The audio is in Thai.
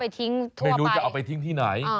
ไปทิ้งทั่วไปไม่รู้จะเอาไปทิ้งที่ไหน